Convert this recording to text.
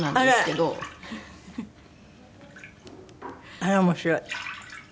あら面白い。